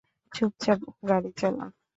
চুপচাপ গাড়ি চালান।